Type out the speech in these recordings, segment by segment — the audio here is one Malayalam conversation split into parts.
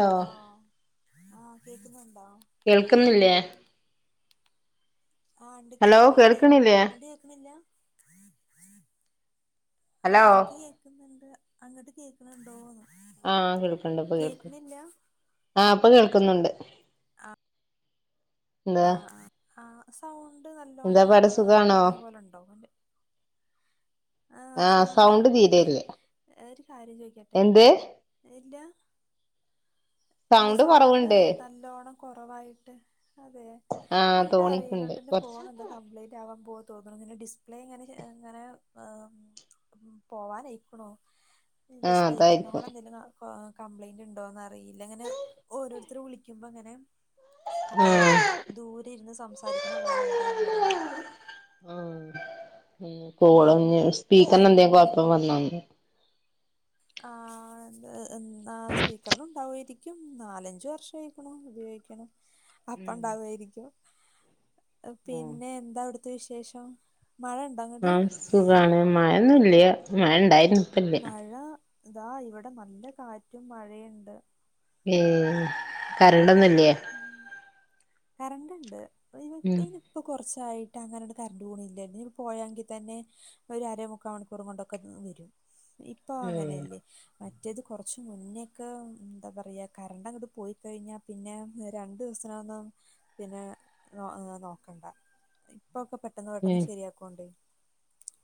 ഹലോ ആഹ് കേക്കുന്നുണ്ടോ കേൾക്ക്ന്നില്ലേ ആഹ് ഇണ്ട് ഹലോ കേക്ക്ണ് ണ്ട് കേൾക്കണില്ലേ അങ്ങട്ട് കേക്ക്ന്നില്ലാ ഹലോ ആഹ് എൻക്ക് കേക്ക്ന്നുണ്ട് അങ്ങട്ട് കേക്ക്ണ് ണ്ടോന്ന് ആഹ് കേൾക്ക്ണ്ട് ഇപ്പ കേൾക്ക് ആഹ് ഇപ്പ കേൾക്ക്ന്ന്ണ്ട് ആഹ് ആഹ് ആഹ് സൗണ്ട് എന്താ നല്ലോണ്ണം പാട് ഏ് സുഖാണോ കൊറഞ്ഞ പോലെ ഒണ്ടോ എന്റെ ആഹ് സുഖാണ് സൗണ്ട് അല്ലെയ് തീരെയില്ല എ്ഹ് ഒരു കാര്യം ചോയ്ക്കട്ടെ എന്ത് ഇന്റൊ അല്ല സൗണ്ട് നൽ നല്ലോണം കൊറവായിട്ട് അതെ ആഹ് എനിക്ക് തോണിക്കുണ്ട് അറീല്ലട്ടോ എന്റെ കൊറച്ച് ഫോണ് എന്തക് കംപ്ലയ്റ്റ് ആവാൻ പോവാ തോന്ന്ണ് ഇതിന്റെ ഡിസ്പ്ലേ ഇങ്ങനെ ശേ എങ്ങനെ ആം പോവാനയിക്കുണു ഇപ്പ ആഹ് അതായിരിക്കും സ്പീക്കറിനോള് എന്തേലും കാ ആഹ് കംപ്ലയ്ന്റ് ഇണ്ടോന്ന് അറിയില്ല ഇങ്ങനെ ഓരോര്ത്തര് വിളിക്കുമ്പോ അങ്ങനെ അറിയാ ആഹ് ദൂരെ ഇര്ന്ന് സംസാരിക്ക്ണ പോലെ ഇണ്ട്ന്ന് അറിയാ ആഹ് ഉം ഉം കോള്ഞ്ഞീ സ്പീക്കർനെന്തേം പിന്നെ കൊഴപ്പം വന്നോന്ന് ആന്ത് എൻ ആഹ് സ്പീക്കർനും ഇണ്ടാവോയിരിക്കും നാലഞ്ച് വർഷായിക്ക്ണു ഉപയോഗിക്ക്ണ് അപ്പ ഉം ഇണ്ടാവാേയിരിക്കും പിന്നെ ആഹ് എന്താ അവ്ട്ത്തെ വിശേഷം മഴ ഇണ്ടോ അങ്ങട് മഴ ഒന്നും ഇല്ല്യാ മഴ ഇണ്ടായിരുന്നു ഇപ്പല്ല മഴ ഇതാ ഇവടെ നല്ല കാറ്റും മഴയ്ണ്ട് ഏഹ് കരണ്ടൊന്നും ഇല്ലേ കറന്റ്ണ്ട് ഇപ്പ അയിന് ഉം ഇപ്പയ്ന് ഇപ്പൊ കോർച്ചായിട്ട് അങ്ങനെട് കറന്റ് പോണില്ലല്ലേ ഇനി പോയെങ്ങിതെന്നെ ഒരു അര മുക്കാ മണിക്കൂറും കൊണ്ടൊക്കെന്ന് വെരും ഇപ്പ അങ്ങനെല്ലേ മറ്റേത് കാെറച്ച് മുന്നേക്ക എന്താ പറയാ കറന്റ് അങ്ങട്ട് പോയിക്കഴിഞ്ഞാ പിന്നെ രണ്ടു ദിവസത്ത്നൊന്നും പിന്നെ നോ നോക്കണ്ട ഇപ്പാെക്കെ പെട്ടെന്ന് പെട്ടെന്ന് ഉം ശരിയാക്കാേണ്ടെ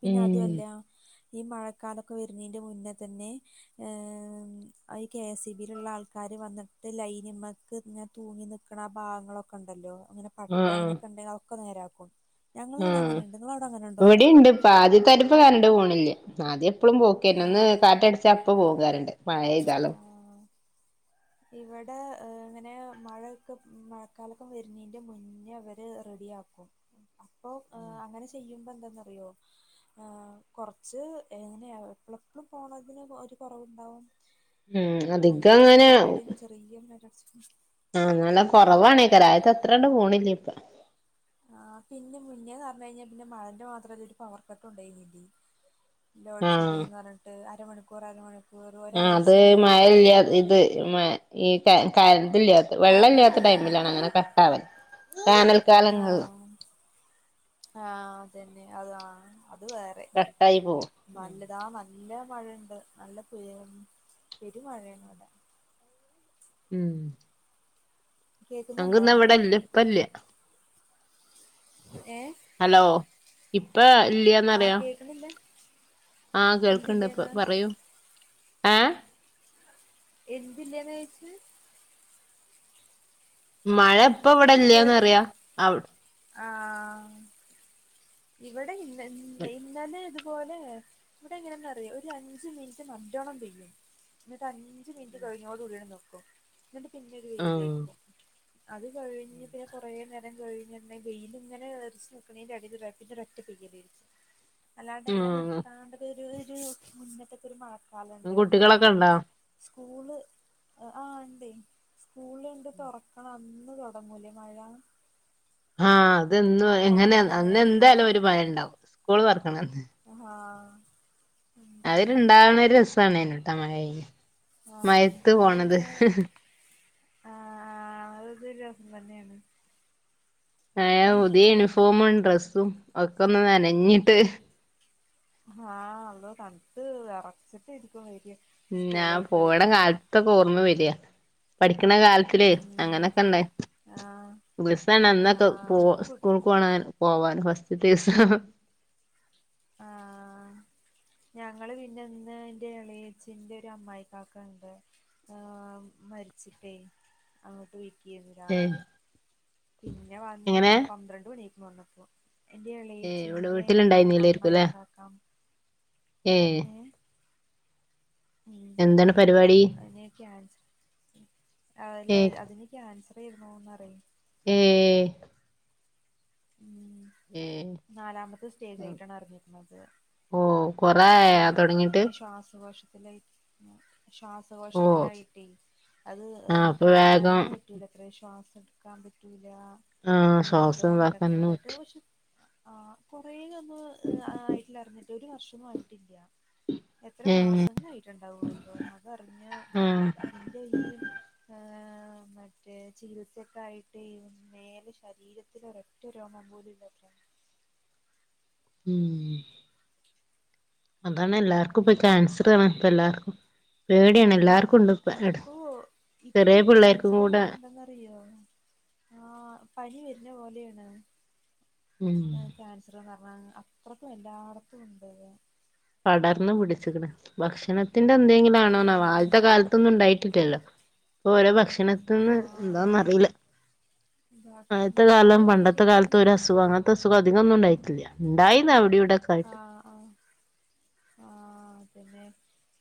പിന്നെ ഉം അതൊല്ല ഈ മഴക്കാലൊക്കെ വര്ഞ്ഞീന്റെ മുന്നതന്നെ ഏ് ഈ കെ എസ് ഇ ബീലുള്ള ആൾക്കാര് വന്ന്ട്ട് ലൈന് മക്ക് ഇങ്ങ തൂങ്ങി നിക്ക്ണ ആ ഭാഗങ്ങളൊക്കെ ഇണ്ടല്ലോ അങ്ങനെ പട്ടെ ആഹ് അങ്ങനൊക്കെ ഇണ്ടെങ്കി അഒക്കെ നേരാക്കും ഞങ്ങളവ്ടെ അങ്ങനെണ്ട് ഇങ്ങളെ അവ്ടെ അങ്ങനെണ്ടോ ഇപ്പആദ്യത്താരിപ്പോ കറന്റ് പോണില്ല അദ്യ എപ്പളും ആ പോക്കേയ്ര്ന്നു ഒന്ന് കാറ്റടിച്ചാ അപ്പപോവും കരണ്ട് മഴെയ്താലും ഇവടെ ഏഹ് ഇങ്ങനെ മഴയൊക്ക മഴക്കാലക്കം വരുന്നതിന്റെ മുന്നേ അവര് റെഡിയാക്കും അപ്പൊ ഏഹ് അങ്ങനെ ചെയ്യുമ്പോ എന്താന്നറിയോ ആഹ് കൊറച്ച് എങ്ങനെയ എപ്പളെപ്പളും പോണതിന് ഒര് കൊറവ്ണ്ടാവും ഉം അധികം അല്ലെങ്കില് അങ്ങനെ തൊട്ടിന് ചെറിയൊരു കാറ്റടിച്ചാ ആഹ് നല്ല കൊറവാനേക്കാരം ആദ്യത്തത്രെണ്ട് പോണില്ല ഇപ്പ ആഹ് പിന്നെ മുന്നേപറഞ്ഞഴിഞ്ഞാ പിന്നെ മഴന്റെ മാത്രമല്ല ഒര് പവർ കട്ടുണ്ടായിനിലെ ലോഡ് ആഹ് ഷിപ്പിക്ക്ന്ന് പറഞ്ഞിട്ട് അരമണിക്കൂർ അര മ ആഹ് അത് മഴല്ല ഇത് മ ഈ ക കറന്റ്ല്ലാ കറണ്ട് വെള്ളല്ലാത്ത ടൈമിലാണ് ഇല്ലാഞ്ഞിട്ട് അങ്ങനെ കട്ടാവല് വേനൽക്കാലകളില് ആഹ് അതന്നെ അതാ അത് വേറെ കട്ടായി പോവും നല്ല ഇതാ നല്ല മഴണ്ട് നല്ല പെരു പെരുമഴയാണ് ഇവടെ ഹ്മ്മ് കേക്കുന്നുണ്ടോ ഇവിടെ ഇല്ല ഇപ്പ ഇല്ല [inaudible] ഏഹ് ഹലോ ഇപ്പ ഇല്ലന്നറിയാം ക്ക്‌നില്ല ആഹ് കേൾക്ക്‌ണ്ടപ്പൊ പറയൂ ഏഹ് എന്തില്ലെന്നാ ചോയ്ച്ചേ മഴ ഇപ്പ ഇവടല്ലാന്നറിയ അവ് ആഹ്, ഇവടെ ഇന്ന ഇ ഇന്നലെ ഇതുപോലെ ഇവടെ എങ്ങനന്നറിയോ ഒരഞ്ച് മിൻറ്റ് നല്ലോണ്ണം പെയ്യും ഒരഞ്ച് മിനുറ്റ് കഴിഞ്ഞോട്കൂടിയങ്ങട്ട് നിക്കും ഇന്നട്ട് പിന്നെ ഒര് ആഹ് വെയിലേയിരിക്കും അത് കഴിഞ്ഞ് പിന്നെ കൊറേ നേ രം കഴിഞ്ഞ് ഇങ്ങനെ വെയിലിങ്ങനെ അറച്ചു നിക്ക്‌ണേന്റെടേല് ഒരൊറ്റ പെയ്യലേയ്രിക്കും അല്ലാണ്ട് ഇങ്ങനെ ആഹ് നിർത്താണ്ട് ഒരു ഒരു അങ്ങനത്തൊക്കൊരു മഴക്കലണ്ടല്ലോ കുട്ടികളൊക്കെ ഇണ്ടോ സ്കൂള് ആഹ് ഇണ്ടേയ് സ്കൂള് എന്തോ തൊറക്ക്‌ണ അന്ന് തൊടങ്ങുലെ മഴ ആഹ് അത് എന്നും എങ്ങനെ പണ്ടൊക്കെ അന്ന് അങ്ങനെയല്ലേരുന്നോ എന്തായാലും ഒര് മഴണ്ടാാവും സ്കൂള് തൊറക്ക്‌ണന്ന് ആഹ് അതൊര്ണ്ടാവ്ണെ രസണെനുട്ടോ മഴെ ആഹ് മഴത്ത് അത് പോണത് പിന്നെ ആഹ് അതൊരു രസന്നേണ് ഏഹ് പുതിയ യൂണിഫോമും ഡ്രസ്സും ഒക്കൊന്ന് നനഞ്ഞിട്ട് ആഹ് അന്ന് തൻത്ത് വെറച്ചിട്ടായിരിക്കും വെരാ ഞാൻ പോകണ കാ ലത്തൊക്കെ ഓർമ്മ വര്യാ, പഠിക്ക്‌ണ കാലത്തില് ഉം അങ്ങനൊക്കെ ഇണ്ടാ ആഹ് ബസ്സാണ് അന്നൊക്കെ പോ ആഹ് കു സ്കൂൾക്കൊണെ പോവാൻ ഫസ്റ്റ്ത്ത ദിവസം ആഹ് ഞങ്ങള് പിന്നെ ഇന്ന് ഇന്റെ എളേയ്ച്ചിന്റെ ഒര് അമ്മായികാക്കാന്റെ ആഹ് മരിച്ചിട്ടേ അങ്ങോട്ട് പൊയ്ക്ക്യേന്നു ഏഹ് രാവിലെ പിന്നെ എങ്ങനെ വന്ന് പന്ത്രണ്ട് മണിയയ്ക്ക്‌ണ് വന്നപ്പോ എന്റെ ഏഹ് ഇവിടെ എളെയ്ച്ചിൻ്റെ വീട്ടിലുണ്ടായിരുന്നില്ലേരിക്കും അമ്മായി അല്ലേ കാക്ക ഏഹ് [inaudible] ഹ്മ്മ്, എന്താണ് പരിപാടി അയിന് ക്യാൻസറ്, അല്ല ഏഹ് അതിന് ക്യാൻസറേർന്നു ന്നറിയെ ഏഹ് ഉ ഏഹ് നാലാമത്തെ സ്റ്റേജയിട്ടാണ് അറിഞ്ഞിരിക്കുന്നത് ഓ ന്നിട്ട് പിന്നെ ശ്വാസകോശത്തിലായി ഓഹ് ശ്വാസകോശത്തിലായിട്ടേ അത് ആഹ് ഒന്ന് അപ്പൊ കെടക്കാൻ വേഗം പറ്റൂലത്ര ശ്വാസം എടുക്കാൻ പറ്റൂല ആഹ് ശ്വാസം നല്ലോണ്ണം ഇതാക്കാനൊന്നും ഇടങ്ങാറായിട്ട് പറ്റി ആഹ കൊറേ ഒന്ന് ആയിട്ടില്ല അറിഞ്ഞിട്ട് ഒരു വർഷോന്നും ആയിട്ടില്ല എത്ര ഏഹ് മാസങ്ങളായിട്ടുണ്ടാവതോ അതറിഞ്ഞ ആഹ് അതിന്റെ ഈ മറ്റേ ചികിത്സക്കായിട്ട് മേല് ശരീരത്തിലൊക്കെ ഒറ്റ രോമം പോലുല്ലയിരുന്നു ഉം അതാണ് എല്ലാവർക്കും ഇപ്പൊ കാൻസറാണ് ഇപ്പ എല്ലാർക്കും പേടിയാണ് ഉ എല്ലാർക്കും ഉണ്ട് ഇപ്പ ഇപ്പൊ ഇപ്പൊ ചെറിയ പിള്ളേർക്കും ക്യാൻസർന്ന് കൂടെ പറഞ്ഞ ന്താന്നറിയോ ആഹ പനി വരുന്ന പോലെയാണ് ഉം ക്യാൻസറന്ന് പറഞ്ഞാ അത്രക്കും എല്ലാടത്തുംണ്ട് പടർന്ന് പിടിച്ചിക്ക്ണ് ഭക്ഷണത്തിന്റെ എന്തെങ്കിലും ആണോന്നോ ഉം ആദ്യത്തെ കാലത്തൊന്നും ഉണ്ടായിട്ടില്ലല്ലോ ഇപ്പൊ ഓരോ ഭക്ഷണത്തിന്ന് ആഹ് എന്താന്ന് അറിയില്ല ഭക്ഷണത്തിന്റെ ആയിരിക്കാം സുഖ അങ്ങനത്തെ അസുഖം അധികൊന്നും ഉണ്ടായിടട്ടില്ല ഉണ്ടായിന്ന് അവിടെ ഇവിടെ ആഹ ആഹ ആഹ തന്നെ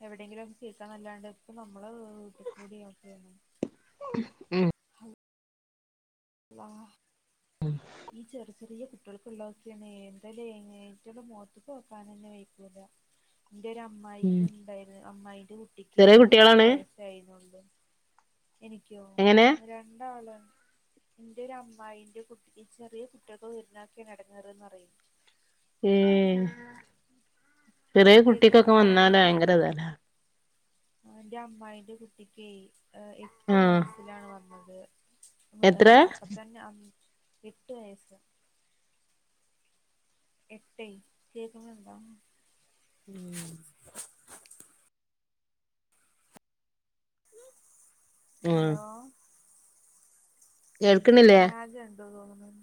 എവിടെങ്കിലും ഒക്കെ കേൾക്കുന്നല്ലണ്ടെ ഇപ്പ നമ്മള് വീട്ടി കൂടി ഉം വാ ഉ ഈ ചെറി ചെറിയ കുട്ടികൾക്കള്ളവൊക്കന്നെ എന്തലേ ഇറ്റളെ മൊത്തുക്ക് നോക്കാൻ നന്നെ വയക്കൂല ന്റെ ഒരു ഉം അമ്മായിക്ക് ഉണ്ടായിന് അമ്മായിന്റെ കുട്ടിക്ക് ചെറിയ ഏഴ്എട്ട് കുട്ടികളാണ് വയസ്സായിന്നു എനിക്കോ എങ്ങനെ രണ്ടാളാണ് ന്റെ ഒരു അമ്മായിന്റെ കുട്ടി ചെറിയ കുട്ടിൾക്കു വരുന്നൊകെ ഇടങ്ങേറുന്നറിയ ഏ ചെറിയ കുട്ടിക്കൊക്കെ വന്നാല് ഭയങ്കരത ൻ്റെ അമ്മായിൻ്റെ കുട്ടിക്കെ എട്ടു ആഹ് വയസിലാണ് വന്നത് എത്ര അപ്പത്തന്നെ ആഹ എട്ട് വയസ് എട്ടെ കേക്കുന്നുണ്ടോ [unintelligible] ഉം ഹലോ കേൾക്കണില്ലേ ലാഗ് ണ്ട് തോന്നുണ്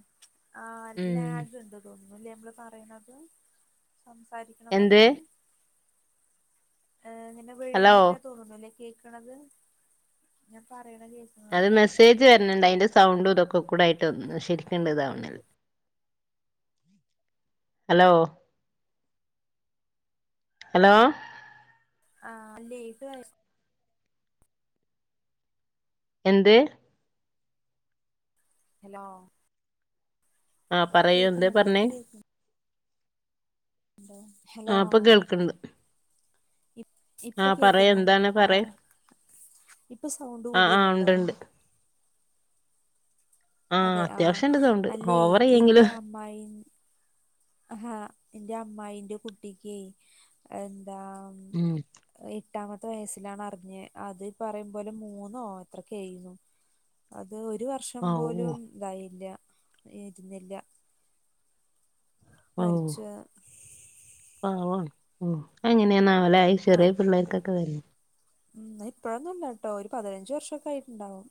ആഹ ഉം ലാഗ് ഇണ്ടോ ന്ല്യ നമ്മള് പറയുന്നത് എന്ത് സംസാരിക്കണതൊക്കെ ഏ ങ്ങനെ ഹലോ വിഴുങ്ങിട്ട തോന്നുനുലെ കേക്കണത് ഞാൻ പറയണ കേ അത് മെസ്സേജ് വരണണ്ട് അതിന്റെ സൗണ്ടും ഇതൊക്കെ കൂടൊയിട്ട് ശരിക്കുണ്ട് താവണല്ല ഹലോ ഹലോ ആഹ ല്ലേ ഇത് എന്തെ ഹലോ ആഹ പറയൂ എന്തേ കേക്കുന്നുണ്ടോ പറഞ്ഞേ ഇപ്പൊ കേക്കുന്നുണ്ടോ ഹലോ ആ ഇപ്പൊ കേൾക്കണ്ട് ഇ ആ ഇപ്പൊ പറയ് കേക്കുന്നോ എന്താണ് പറയ് ആഹ് ഇപ്പൊ സൗണ്ട് ആ ആ ഉണ്ട് കൂടുതലുണ്ടോ? ഉണ്ട് ആ അതെ ആഹ് അത്യാവശ്യണ്ട് സൗണ്ട് അല്ലേ എൻ്റെ ഓവറെയ്യെങ്കിലും അമ്മായി ആഹ് ഹാ എൻ്റെ അമ്മായീൻ്റെ കുട്ടിക്കേ എന്താ ഉം എട്ടാമത്തെ വയസ്സിലാണ് അറിഞ്ഞേ അത് പറയും പോലെ മൂന്നോ എത്രക്കേ ആയിരുന്നു അത് ഒരു വർഷം ഔ പോലും ഇതായില്ല ഇരുന്നില്ല ഓഹ് മരിച്ച് പാവാണ് ഉം അയ് എങ്ങനെന്നാവൂല്ലേ അയ് ചെറിയ പിള്ളേർക്കക്കെ [unintelligible] ഉം അത് ഇപ്പഴൊന്നും അല്ല കേട്ടോ ഒരു പതിനഞ്ച് വർഷൊക്കെ ആയിട്ടുണ്ടാവും.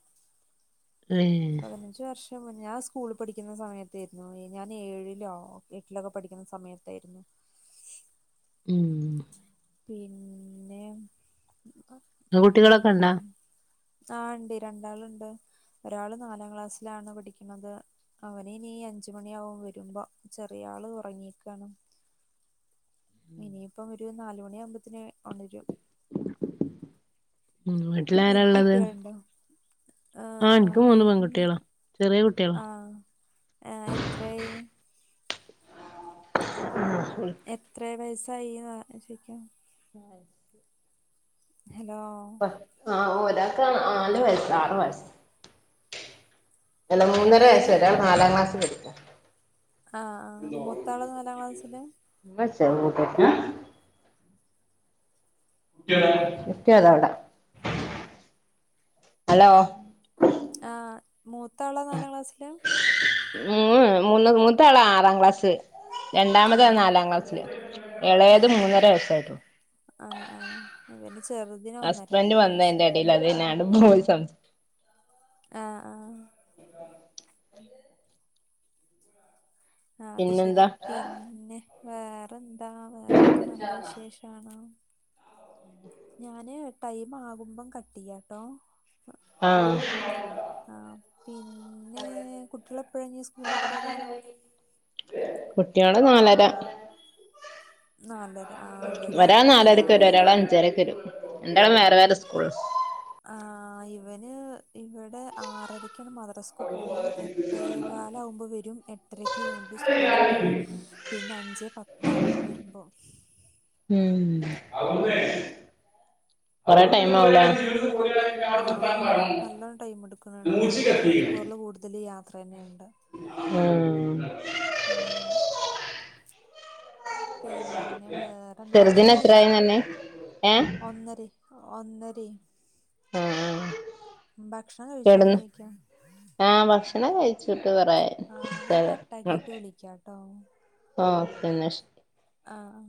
ഏഹ് ഞ്ച് വർഷം മുന്നെ ഞാൻ സ്കൂളിൽ പഠിക്കുന്ന സമയത്തായിരുന്നു. ഞാൻ ഏഴിലോ എട്ടിലൊക്കെ പഠിക്കുന്ന സമയത്തായിരുന്നു. ഉം പിന്നെ അഹ് [unintelligible] ഉണ്ടാ ആഹ് ഇണ്ട് രണ്ടാള്ണ്ട് ഒരാള് നാലാം ക്ലാസ്സിലാണ് പഠിക്കണത് അവൻ ഇനീ അഞ്ച് മണിയാവും വരുമ്പോ ചെറിയ ആള് ഉറങ്ങിക്കാണ് ഇനിയിപ്പം ഒരു നാലുമണി ആവുമ്പോത്തിന് ഒണരും ഉം മ്ഹ് ട്ടിലാര നിനക്ക് ഉള്ളത് കുട്ടികളുണ്ടോ ആ ആഹ് എനിക്ക് മൂന്ന് പെൺകുട്ടികളാ ചെറിയ കു ആഹ് ആഹ് എത്രായി [unintelligible] എത്രെ വയസ്സായി എന്നാ ചോയ്ക്കാ ആഹ് ശ് ഹലോ ആഹ് ഒരാക്ക് നാല് വയസ് ആറ് വയസ് അല്ല മൂന്നര എങ്ങനെ വയസ്സ് ഒരാള് നാലാം ക്ലാസ്സിൽ പഠിക്കാ ആഹ് ആഹ് മൂത്താള് നാലാം ക്ലാസ്സിലാ [unintelligible] കുട്ടി അതാ അവിട ഹലോ ആഹ് മൂത്താള് നാലാം ക്ലാസ്സിലാ ഉം മൂന്ന് മൂത്താള് ആറാം ക്ലാസ്സ് രണ്ടാമത് ആ ആഹ് നാലാം ക്ലാസ്സില് ആഹ് ഇളയത് ആഹ് മൂന്നര വയസ്സായിട്ടുള്ളൂ ആഹ് ആഹ് ഇവന് ചെറുതിന് ഒന്നര വയസ്സ് [unintelligible] എടേൽ അത് തന്ന ആടേം പോയി സംസ് ആഹ് ആഹ് ആഹ് അത് ശരി പിന്നെന്താ പിന്നെ വേറെന്താ വേറെക്കെ നല്ല വിശേഷാണ് ഉ ഞാന് ടൈം ആകുമ്പം കട്ടെയ്യാട്ടൊ ആഹ് ആഹ് പിന്നെ കുട്ട്യളെപ്പെഴാ ഇനി സ്കൂള് വിട്ട് വരാ കുട്ട്യള് നാലര നാലര ആഹ് ഇവിടെ ഒരാള് നാലരക്ക് വരും രാവിലെ ഒരാള് അഞ്ചരക്ക് വരും രണ്ടാളും വേറെ വേറെ സ്കൂളാ ആഹ് ഇവന് ഇവ്ടെ ആറരക്കാണ് മദ് ദ്റസക്ക് പോവും എട്ടേ കാലവുമ്പോ വരും എ ട്ടരക്ക് വീണ്ടും സ്കൂളിൽ പോവും പിന്നെ അഞ്ചേ പത്താവും വരുമ്പോ ഉം കൊറേ ടൈം ആവുല്ലേ ആഹ് നല്ലോം ടൈമ് ട്ക്ക്ണ് ണ്ട് ഒരു മണിക്കൂറില് കൂടുതൽ യാത്ര തന്നെയുണ്ട് ഉം ഉം പിന്നെ വേറെ എന്ത്? ചെറുതിന് ഭക്ഷണം എത്രായിന്ന് കഴിച്ചോ? പറഞ്ഞെ ഏ ഒന്നരെ ഒന്നരേ ആ ആ ഭക്ഷണം കഴിച്ചോന്നോയ്ക്കാ ആഹ് ഭക്ഷണം കഴിച്ചിട്ട് കൊറേ അയ്ണ് ആഹ് ഞാൻ [unintelligible] ഉം കട്ടാക്കിട്ട് വിളിക്കാട്ടോ ആഹ് ഓക്കെ ന്നാ ശ ആഹ്